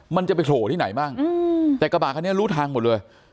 มันจะไปโผล่ที่ไหนบ้างแต่กระบาดคันนี้รู้ทางหมดเลย